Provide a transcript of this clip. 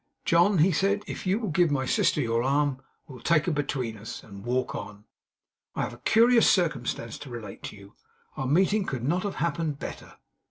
'John,' he said, 'if you'll give my sister your arm, we'll take her between us, and walk on. I have a curious circumstance to relate to you. Our meeting could not have happened better.